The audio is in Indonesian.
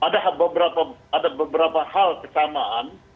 dan ada beberapa hal kesamaan